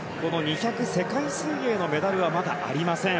２００、世界水泳のメダルはまだありません。